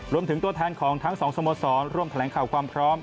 รวมถึงตัวแทนของทั้งสองสโมสรร่วมแถลงข่าวความพร้อม